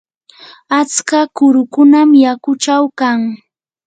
atska kurukunam yakuchaw kan.